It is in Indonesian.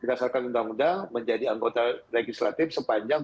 berdasarkan undang undang menjadi anggota legislatif sepanjang